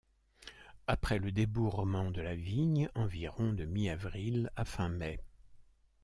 Après le débourrement de la vigne, environ de mi-avril à fin mai.